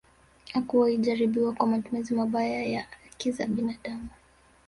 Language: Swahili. Hakuwahi jaribiwa kwa matumizi mabaya ya haki za binadamu